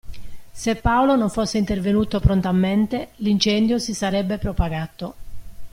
Se Paolo non fosse intervenuto prontamente, l'incendio si sarebbe propagato.